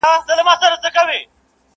عاشقان د ترقۍ د خپل وطن یو-